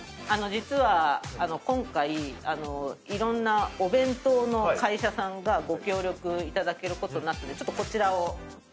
実は今回いろんなお弁当の会社さんがご協力いただけることになったのでちょっとこちらを。